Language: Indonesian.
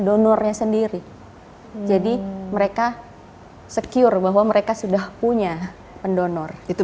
donornya sendiri jadi mereka secure bahwa mereka sudah punya pendonor itu